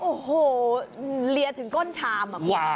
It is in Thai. โอ้โหเลียถึงก้นชาม